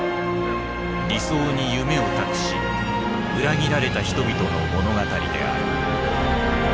理想に夢を託し裏切られた人々の物語である。